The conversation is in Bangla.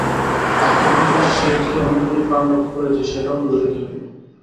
আজ পর্যন্ত সে যে অনেকগুলি প্রাণ রক্ষা করিয়াছে সেটাও তো ধরিতে হইবে?